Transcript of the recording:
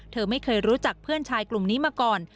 เธอไม่เคยรู้จักเพื่อนชายกลุ่มนี้มาก่อน